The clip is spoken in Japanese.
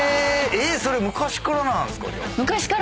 それ昔からなんすか？